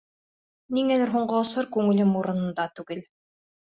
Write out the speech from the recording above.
Ниңәлер һуңғы осор күңелем урынында түгел.